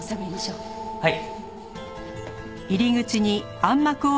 はい。